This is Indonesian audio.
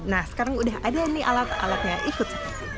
nah sekarang udah ada nih alat alatnya ikut